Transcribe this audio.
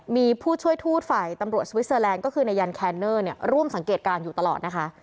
มีผู้ช่วยทูตฝ่ายตำรวจสวิสเตอร์แลนด์ก็คือนายยันแคนเนอร์ร่วมสังเกตการณ์อยู่ตลอดนะคะ